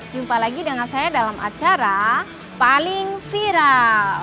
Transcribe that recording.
jumpa lagi dengan saya dalam acara paling viral